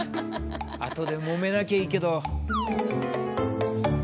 後でもめなきゃいいけど。